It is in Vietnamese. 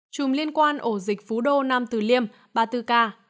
chùm liên quan ổ dịch phú đô nam từ liêm ba mươi bốn ca